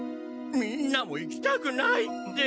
みんなも行きたくないって。